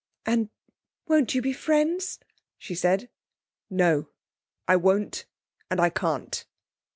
'And won't you be friends?' she said. 'No. I won't and I can't.'